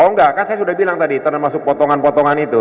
oh enggak kan saya sudah bilang tadi termasuk potongan potongan itu